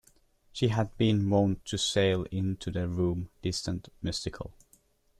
She had been wont to sail into the room, distant, mystical.